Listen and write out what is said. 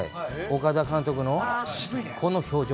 岡田監督のこの表情。